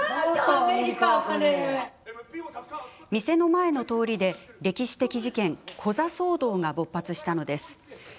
店の前の通りで歴史的事件、コザ騒動が勃発したのです。